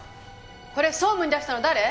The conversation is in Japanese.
これ総務に出したの誰？